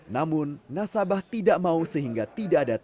namun nasabah tidak mau sehingga tidak ada